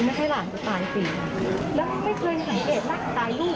โหไม่รู้กลับมาก็ถามแต่ไม่มีใครบอกไม่มีใครพูด